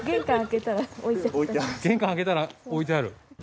玄関開けたら置いてある？